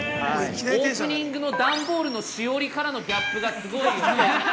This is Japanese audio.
◆オープニングの段ボールのしおりからのギャップがすごいよ。